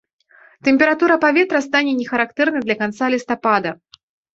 Тэмпература паветра стане не характэрнай для канца лістапада.